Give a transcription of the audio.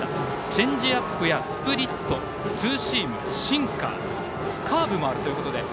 チェンジアップやスプリット、ツーシームシンカーカーブもあるということで。